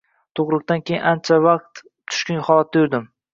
Tug`ruqdan keyin ancha payt tushkun holatda yurdim